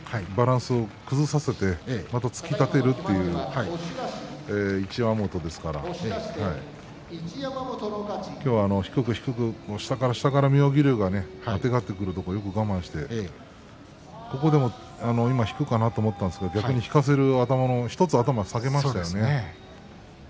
バランスを崩させて突き立てるという一山本ですから今日は低く低く下から下から妙義龍があてがってくるところをよく我慢して下からと思ったんですけども１つ、頭を下げましたよね。